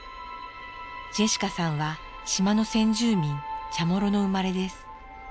ジェシカさんは島の先住民チャモロの生まれです。